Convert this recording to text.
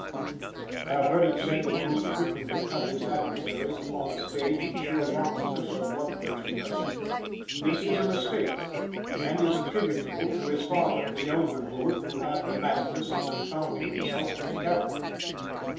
I have heard it said that Booth frequently cut his adversaries upon the stage in sheer wantonness or bloodthirstiness. This is a mistake, and is attributable to his father, the elder Booth, who had the madness of confounding himself with the character.